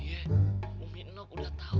iya mumi nok udah tahu